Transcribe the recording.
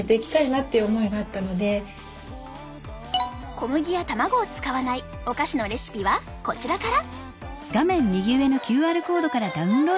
小麦や卵を使わないお菓子のレシピはこちらから。